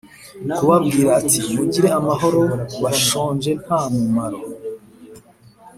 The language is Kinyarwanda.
kubabwira ati mugire amahoro bashonje nta mumaro